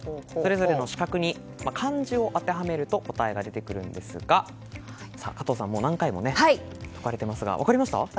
それぞれの四角に漢字を当てはめると答えが出てくるんですが加藤さん何回も解かれていますが分かりますか？